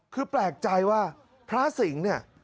คือแปลกใจว่าพระสิงห์เนี่ย